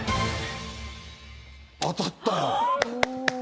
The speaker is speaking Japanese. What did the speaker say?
当たったよ。